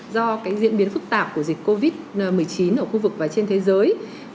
do cái diễn biến phức tạp của dịch covid một mươi chín ở khu vực và trên thế giới